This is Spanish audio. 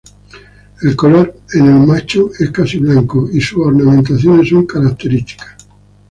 El color en el macho es casi blanco y sus ornamentaciones son características.